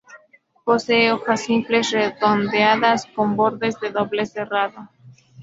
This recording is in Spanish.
Poseen hojas simples redondeadas con bordes de doble serrado.